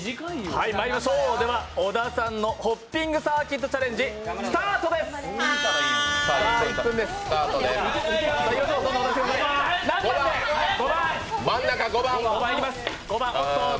小田さんのホッピングサーキットチャレンジスタートです真ん中、５番。